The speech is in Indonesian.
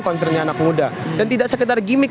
concernnya anak muda dan tidak sekedar gimmick